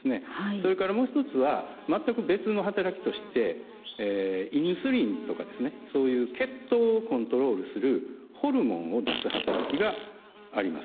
それからもう一つは全く別の働きとしてインスリンとかですねそういう血糖をコントロールするホルモンを出す働きがあります。